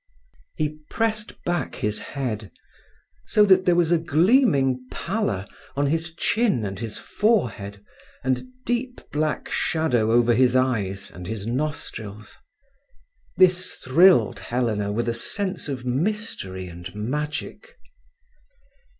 He pressed back his head, so that there was a gleaming pallor on his chin and his forehead and deep black shadow over his eyes and his nostrils. This thrilled Helena with a sense of mystery and magic.